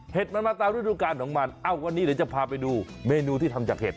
มันมาตามฤดูการของมันเอ้าวันนี้เดี๋ยวจะพาไปดูเมนูที่ทำจากเห็ด